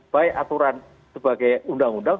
baik aturan sebagai undang undang